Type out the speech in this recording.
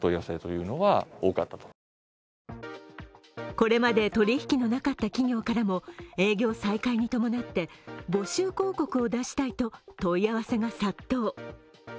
これまで取り引きのなかった企業からも営業再開に伴って募集広告を出したいと問い合わせが殺到。